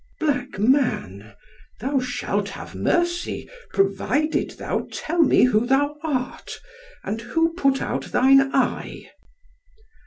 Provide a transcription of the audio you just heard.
"Black man, thou shalt have mercy, provided thou tell me who thou art, and who put out thine eye."